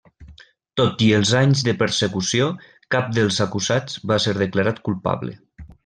Tot i els anys de persecució, cap dels acusats va ser declarat culpable.